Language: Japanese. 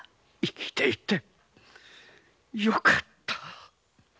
生きていてよかった。